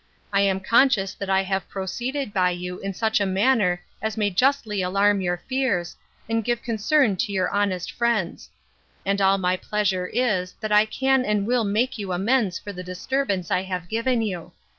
I am conscious that I have proceeded by you in such a manner as may justly alarm your fears, and give concern to your honest friends: and all my pleasure is, that I can and will make you amends for the disturbance I have given you.